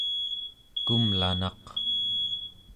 kumlanaq